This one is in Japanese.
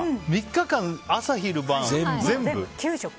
３日間、朝昼晩全部。